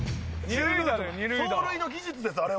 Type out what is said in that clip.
走塁の技術ですあれは。